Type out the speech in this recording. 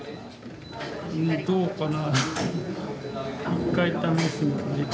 どうかな？